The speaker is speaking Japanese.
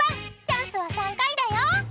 ［チャンスは３回だよ］